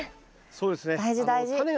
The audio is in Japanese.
そうですね。